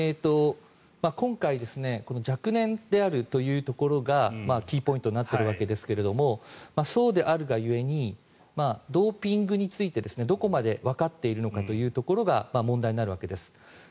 今回若年であるというところがキーポイントになっているわけですがそうであるが故にドーピングについてどこまでわかっているのかということが問題になるわけです。